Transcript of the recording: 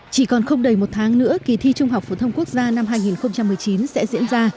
chỉ còn không đầy một tháng nữa kỳ thi trung học phổ thông quốc gia năm hai nghìn một mươi chín sẽ diễn ra